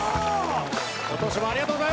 今年もありがとうございます！